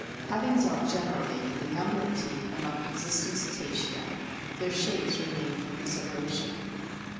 Having dealt generally with the number of teeth 74 A BOOK OF WHALES among existing Cetacea, their shapes remain for con sideration.